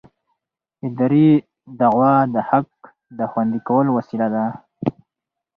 اداري دعوه د حق د خوندي کولو وسیله ده.